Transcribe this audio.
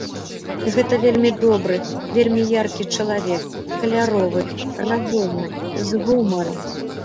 Гэта вельмі добры, вельмі яркі чалавек, каляровы, разумны, з гумарам.